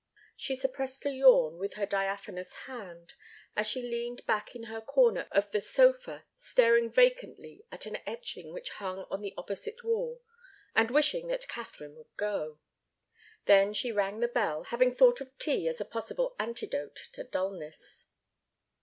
She suppressed a yawn with her diaphanous hand, as she leaned back in her corner of the sofa, staring vacantly at an etching which hung on the opposite wall, and wishing that Katharine would go. Then she rang the bell, having thought of tea as a possible antidote to dulness.